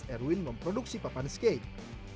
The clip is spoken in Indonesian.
erwin memproduksi papan skate